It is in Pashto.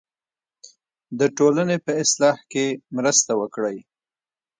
د ټولنې په اصلاح کې مرسته وکړئ.